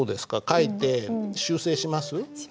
書いて修正します？